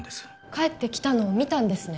帰ってきたのを見たんですね？